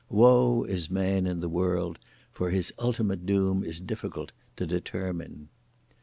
Woe is man in the world! for his ultimate doom is difficult to determine!